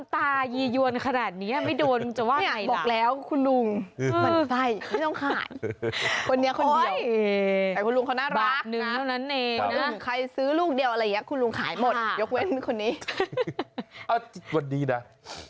ได้ไหมเออสักพักโอ้โหไม้เสียบอ้ายลูกชิ้นมา